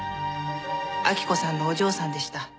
晃子さんのお嬢さんでした。